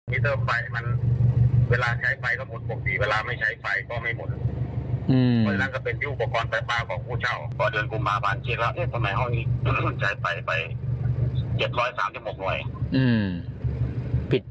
มีเติมไฟมันเวลาใช้ไฟก็หมดปกติเวลาไม่ใช้ไฟก็ไม่หมด